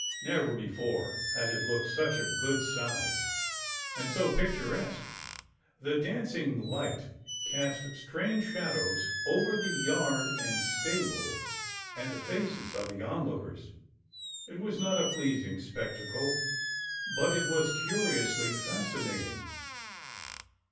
Never before had it looked such a good size, and so picturesque. The dancing light cast strange shadows over the yard and stable, and the faces of the on lookers. It was not a pleasing spectacle, but it was curiously fascinating.